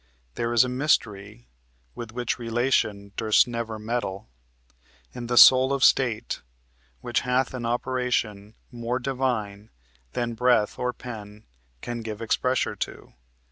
There is a mystery (with which relation Durst never meddle) in the soul of state, Which hath an operation more divine Than breath or pen can give expressure to."